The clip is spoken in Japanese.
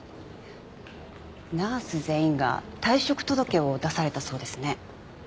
ナース全員が退職届を出されたそうですね。